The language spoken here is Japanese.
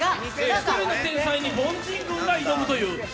１人の天才に凡人君が挑むという。